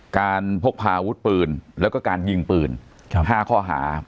พกพาอาวุธปืนแล้วก็การยิงปืน๕ข้อหา